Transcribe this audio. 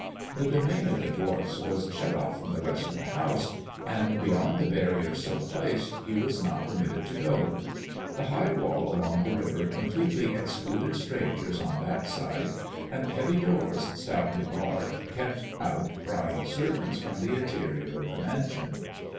The domain of the dwarfs was shut o£E from the rest of the house, and beyond the barrier so placed he was not per mitted to go. The high wall along the river completely excluded strangers on that side, and heavy doors, stoutly barred, kept out prying servants from the interior of the mansion.